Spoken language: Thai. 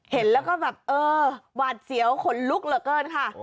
เห็นแล้วก็แบบเออหวาดเสียวขนลุกเหลือเกินค่ะ